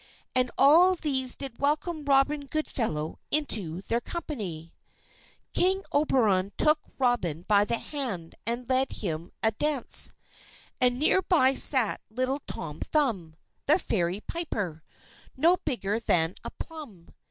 And all these did welcome Robin Goodfellow into their company. King Oberon took Robin by the hand and led him a dance. And near by sat little Tom Thumb, the Fairy piper, no bigger than a plum.